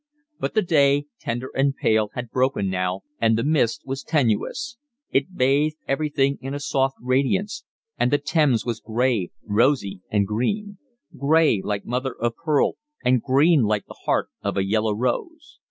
But the day, tender and pale, had broken now, and the mist was tenuous; it bathed everything in a soft radiance; and the Thames was gray, rosy, and green; gray like mother of pearl and green like the heart of a yellow rose.